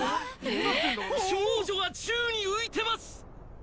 少女が宙に浮いてます！